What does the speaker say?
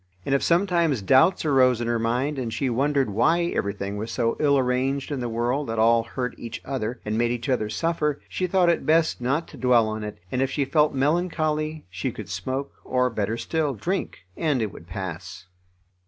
And if sometimes doubts arose in her mind and she wondered why everything was so ill arranged in the world that all hurt each other, and made each other suffer, she thought it best not to dwell on it, and if she felt melancholy she could smoke, or, better still, drink, and it would pass.